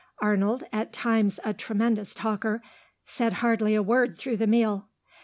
Arnold, at times a tremendous talker, said hardly a word through the meal.